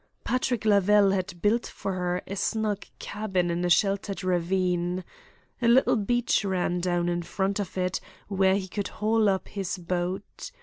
Patrick Lavelle had built for her a snug cabin in a sheltered ravine. A little beach ran down in front of it where he could haul up his boat.